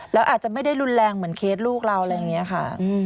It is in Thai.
แล้วอาจจะไม่ได้รุนแรงเหมือนเคสลูกเราอะไรอย่างนี้ค่ะ